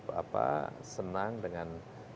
tapi tidak terlalu membangun